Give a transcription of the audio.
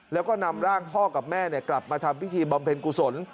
แล้วก็นำร่างพ่อกับแม่กลับมาทำพิธีบำเพ็ญกุศล